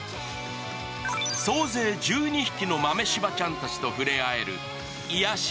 総勢１２匹の豆柴ちゃんたちとふれあえる癒やし